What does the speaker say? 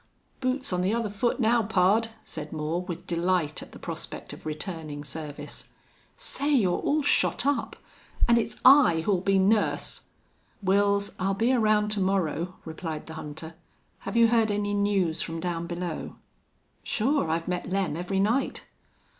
"Boot's on the other foot now, pard," said Moore, with delight at the prospect of returning service. "Say, you're all shot up! And it's I who'll be nurse!" "Wils, I'll be around to morrow," replied the hunter. "Have you heard any news from down below?" "Sure. I've met Lem every night."